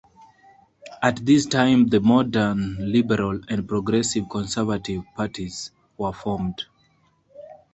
At this time, the modern Liberal and Progressive Conservative parties were formed.